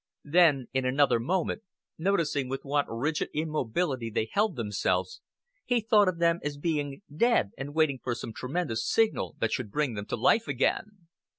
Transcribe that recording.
Then, in another moment, noticing with what rigid immobility they held themselves, he thought of them as being dead and waiting for some tremendous signal that should bring them to life again.